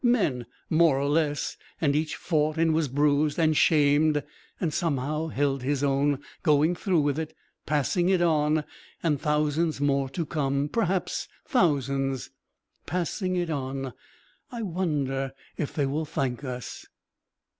men more or less. And each fought, and was bruised, and shamed, and somehow held his own going through with it passing it on.... And thousands more to come perhaps thousands! "Passing it on. I wonder if they will thank us."